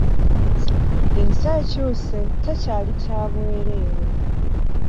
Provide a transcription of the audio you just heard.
Ensi ekyuse tekyali kya bwerere.